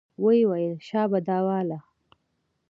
ويې ويل شابه دا واله.